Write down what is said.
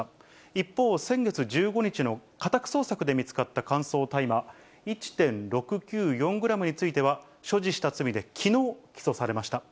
一方、先月１５日の家宅捜索で見つかった乾燥大麻１．６９４グラムについては、所持した罪できのう起訴されました。